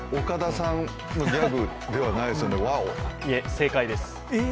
正解です。